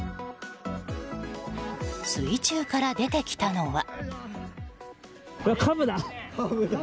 水中から出てきたのは。